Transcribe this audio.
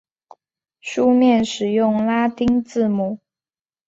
书面使用拉丁字母。